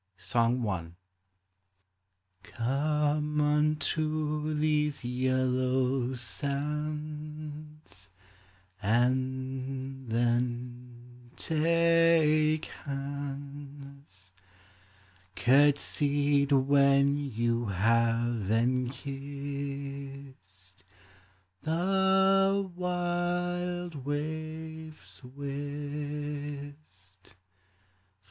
I, Come unto these yellow sands, And then take hands ; Court'sied when you have, and kissed. (The wild waves whist!)